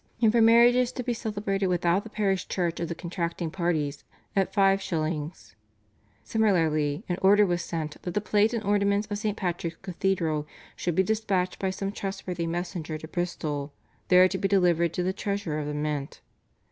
and for marriages to be celebrated without the parish church of the contracting parties at 5s. Similarly, an order was sent that the plate and ornaments of St. Patrick's Cathedral should be dispatched by some trustworthy messenger to Bristol, there to be delivered to the treasurer of the mint.